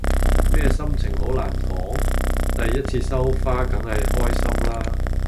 咩心情好難講，第一次收花梗係開心啦